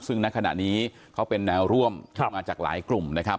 ซึ่งณขณะนี้เขาเป็นแนวร่วมที่มาจากหลายกลุ่มนะครับ